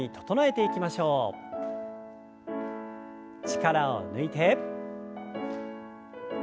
力を抜いて。